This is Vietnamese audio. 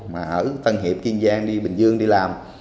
mà ở tân hiệp kiên giang đi bình dương đi làm